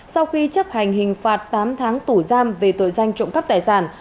sau khi chấp hành hình phạt tám tháng tù giam về tội danh trộm cắp tài sản